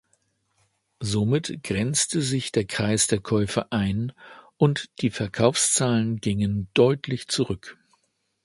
Somit grenzte sich der Kreis der Käufer ein und die Verkaufszahlen gingen deutlich zurück.